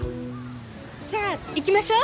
じゃあ行きましょう。